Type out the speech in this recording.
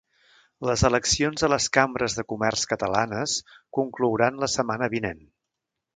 Les eleccions a les cambres de comerç catalanes conclouran la setmana vinent